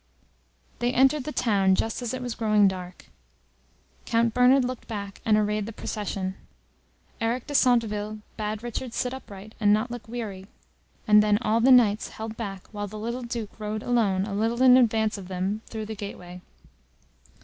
They entered the town just as it was growing dark. Count Bernard looked back and arrayed the procession; Eric de Centeville bade Richard sit upright and not look weary, and then all the Knights held back while the little Duke rode alone a little in advance of them through the gateway.